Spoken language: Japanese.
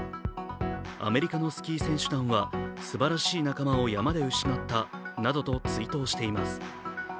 アメリカのスキー選手団はすばらしい仲間を山で失ったなどと追悼しています。